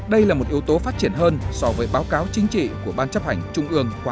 đây là một yếu tố phát triển hơn so với báo cáo chính trị của ban chấp hành trung ương khóa một mươi hai